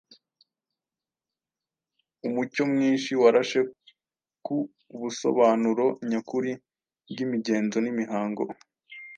umucyo mwinshi warashe ku busobanuro nyakuri bw’imigenzo n’imihango